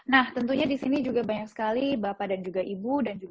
nah tentunya di sini juga banyak sekali bapak dan juga ibu